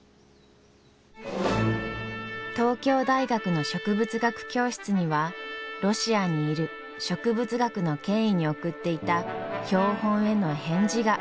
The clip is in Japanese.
東京大学の植物学教室にはロシアにいる植物学の権威に送っていた標本への返事が届きました。